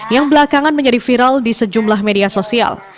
yang belakangan menjadi viral di sejumlah media sosial